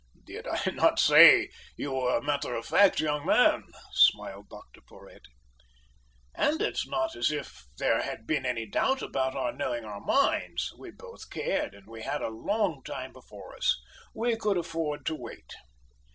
"Did I not say that you were a matter of fact young man?" smiled Dr Porhoët. "And it's not as if there had been any doubt about our knowing our minds. We both cared, and we had a long time before us. We could afford to wait."